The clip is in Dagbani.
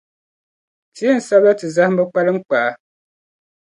Ti yɛn sabi la ti zahimbu kpalinkpaa.